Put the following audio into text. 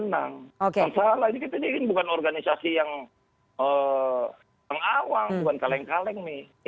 tidak salah ini kita ini bukan organisasi yang awal bukan kaleng kaleng nih